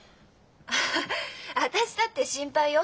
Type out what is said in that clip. ああ私だって心配よ。